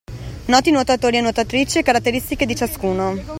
Noti nuotatori e nuotatrici e caratteristiche di ciascuno